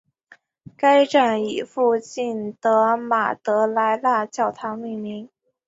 该站以附近的马德莱娜教堂命名。